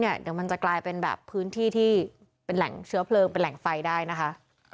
เดี๋ยวมันจะกลายเป็นแบบพื้นที่ที่เป็นแหล่งเชื้อเพลิงเป็นแหล่งไฟได้นะคะ